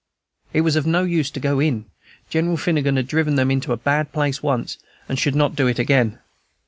"It was of no use to go in. General Finnegan had driven them into a bad place once, and should not do it again."